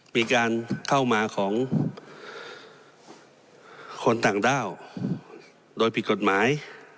มีการเข้ามาของคนต่างด้าวโดยผิดกฎหมาย